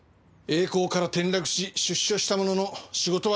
栄光から転落し出所したものの仕事はなし。